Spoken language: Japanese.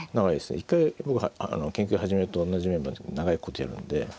一回僕は研究始めるとおんなじメンバーで長いことやるんで。